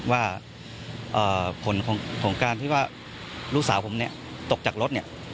ว่าผลของการที่ว่าลูกสาวผมเนี่ยตกจากรถเนี่ย